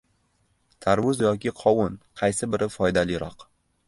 Tarvuz yoki qovun, qaysi biri foydaliroq?